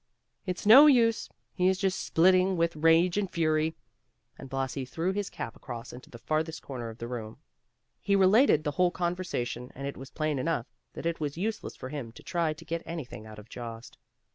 "It's no use; he is just splitting with rage and fury;" and Blasi threw his cap across into the farthest corner of the room. He related the whole conversation and it was plain enough that it was useless for him to try to get anything out of Jost.